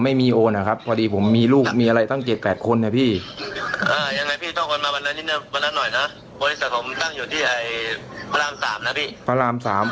วันนี้บรรณน้อยน่ะบริษัทผมตั้งอยู่ที่ไอ้พลาสนะพี่ฝราห์สาม